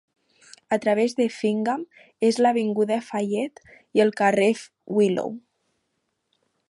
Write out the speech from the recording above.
A través d'Effingham és l'avinguda Fayette i el carrer Willow.